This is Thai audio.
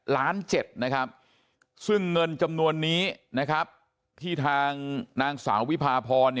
ล้านเจ็ดนะครับซึ่งเงินจำนวนนี้นะครับที่ทางนางสาววิพาพร